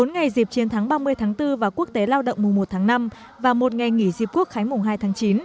bốn ngày dịp chiến thắng ba mươi tháng bốn và quốc tế lao động mùa một tháng năm và một ngày nghỉ dịp quốc khánh mùng hai tháng chín